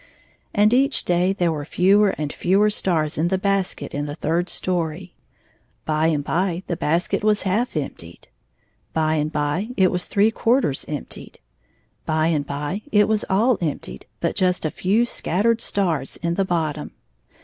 And each day there were fewer and fewer stars in the basket in the third story. By and by the basket was half emptied. By and by it was three quarters emptied. By and by it was all emptied but just a few scattered stars in the bottom.